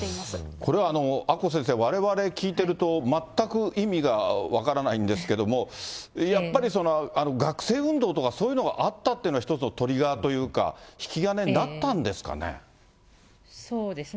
これは、阿古先生、われわれ聞いてると、全く意味が分からないんですけども、やっぱり学生運動とか、そういうのがあったっていうのは、トリガーというか、そうですね。